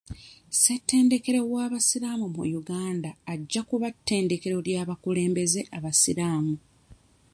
Ssetendekero w'abasiraamu mu Uganda ajja kuba ttendekero ly'abakulembeze abasiraamu.